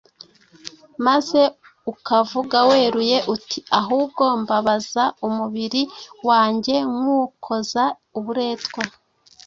maze ukavuga weruye uti, “Ahubwo mbabaza umubiri wanjye nywukoza uburetwa,